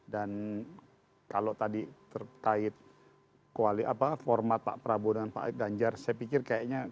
dan kalau tadi terkait koalisi apa format pak prabowo dan pak ganjar saya pikir kayaknya